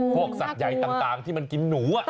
สัตว์ใหญ่ต่างที่มันกินหนู